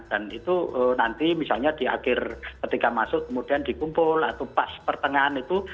dan itu nanti misalnya di akhir ketika masuk kemudian dikumpul atau pas pertengahan itu